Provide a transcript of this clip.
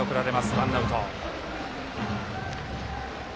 ワンアウト。